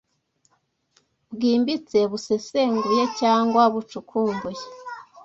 Bwimbitse: busesenguye cyangwa bucukumbuye